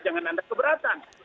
jangan anda keberatan